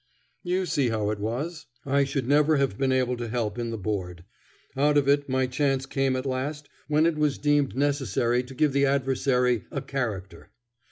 You see how it was. I should never have been able to help in the Board. Out of it, my chance came at last when it was deemed necessary to give the adversary "a character."